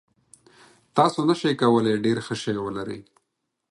تاسو نشئ کولی ډیر ښه شی ولرئ.